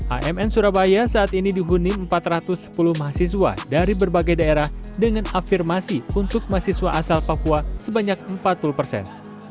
amn surabaya saat ini dihuni empat ratus sepuluh mahasiswa dari berbagai daerah dengan afirmasi untuk mahasiswa asal papua sebanyak empat puluh persen